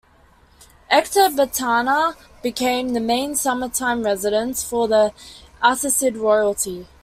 Ecbatana became the main summertime residence for the Arsacid royalty.